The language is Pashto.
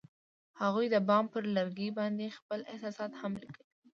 هغوی د بام پر لرګي باندې خپل احساسات هم لیکل.